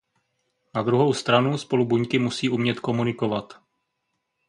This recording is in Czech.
Na druhou stranu spolu buňky musí umět komunikovat.